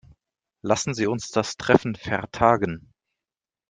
Lassen Sie uns das Treffen vertagen.